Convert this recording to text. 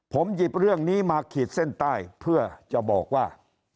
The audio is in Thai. ผมหยิบเรื่องนี้มาขีดเส้นใต้เพื่อจะบอกว่า